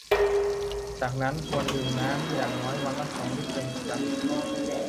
จากนั้นควรดื่มน้ำอย่างน้อยวันละ สอง ลิตรเป็นประจำ